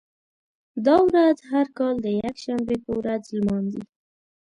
دا ورځ هر کال د یکشنبې په ورځ لمانځي.